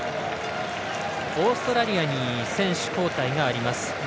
オーストラリアに選手交代があります。